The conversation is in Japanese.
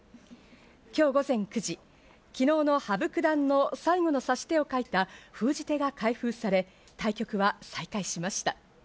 今日午前９時、昨日の羽生九段の最後の指し手を書いた封じ手が開封され対局は再開しました。